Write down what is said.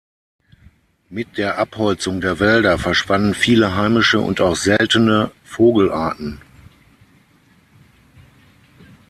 Mit der Abholzung der Wälder verschwanden viele heimische und auch seltene Vogelarten.